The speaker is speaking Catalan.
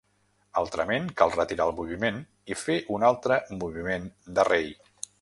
Altrament, cal retirar el moviment i fer un altre moviment de rei.